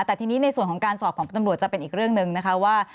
แต่ทีนี้ในส่วนของการสอบของตำรวจจะเป็นอีกเรื่องหนึ่งนะคะว่า